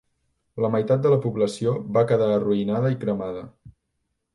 La meitat de la població va quedar arruïnada i cremada.